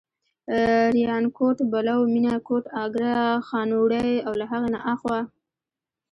ریانکوټ، بلو، مېنه، کوټ، اګره، خانوړی او له هغې نه اخوا.